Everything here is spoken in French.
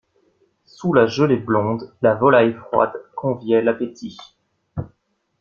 Sous la gelée blonde, la volaille froide conviait l'appétit.